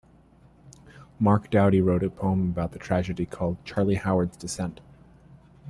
Mark Doty wrote a poem about the tragedy called "Charlie Howard's Descent".